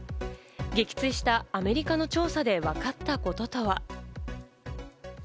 撃墜したアメリカの調査で分かったこととは？